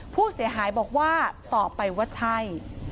ผู้เสียหายบอกว่าตอบไปว่าใช่